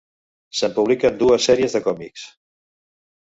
Se'n publiquen dues sèries de còmics.